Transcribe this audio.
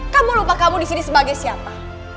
kamu lupa kamu di sini sebagai siapa